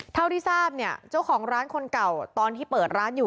เท่าที่ทราบเนี่ยเจ้าของร้านคนเก่าตอนที่เปิดร้านอยู่